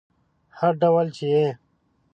هر ډول چې یې